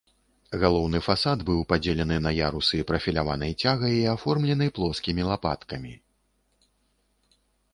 Галоўны фасад быў падзелены на ярусы прафіляванай цягай і аформлены плоскімі лапаткамі.